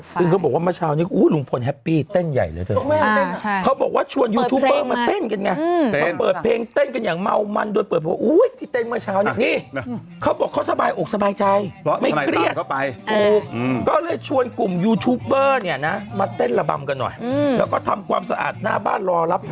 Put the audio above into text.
ซึ่งเขาบอกว่าเมื่อเช้านี้โอ๊ยหลุงพล